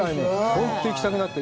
本当に行きたくなった。